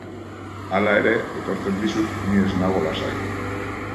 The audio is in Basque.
Hala ere, aitortzen dizut, ni ez nago lasai.